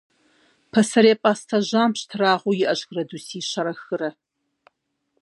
Пасэрей пӏастэ жьам пщтырагъыу иӏэщ градусищэрэ хырэ.